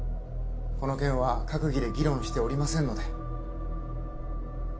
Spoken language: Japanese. この件は閣議で議論しておりませんので。